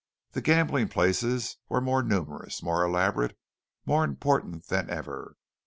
The gambling places were more numerous, more elaborate, more important than ever.